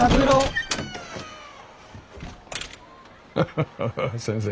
ハハハハ先生。